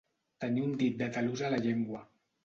Tenir un dit de talús a la llengua.